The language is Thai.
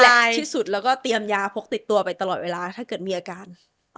ที่สุดแล้วก็เตรียมยาพกติดตัวไปตลอดเวลาถ้าเกิดมีอาการ